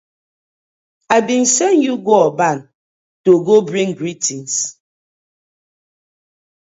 I been sen yu go Oban to go bring greetins.